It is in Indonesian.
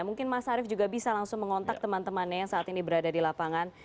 mungkin mas arief juga bisa langsung mengontak teman temannya yang saat ini berada di lapangan